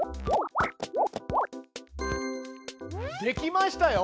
できましたよ。